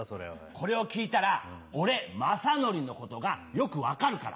これを聴いたら俺雅紀のことがよく分かるから。